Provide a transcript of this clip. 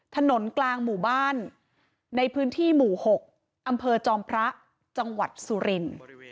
ถนนกลางหมู่บ้านในพื้นที่หมู่๖อำเภอจอมพระจังหวัดสุรินทร์